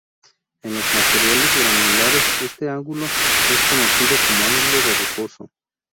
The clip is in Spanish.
En los materiales granulares este ángulo es conocido como ángulo de reposo.